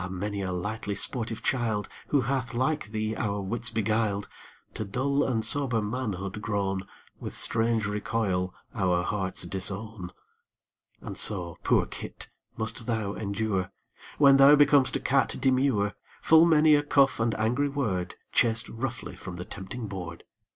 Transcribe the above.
many a lightly sportive child, Who hath like thee our wits beguiled, To dull and sober manhood grown, With strange recoil our hearts disown. And so, poor kit! must thou endure, When thou becom'st a cat demure, Full many a cuff and angry word, Chased roughly from the tempting board.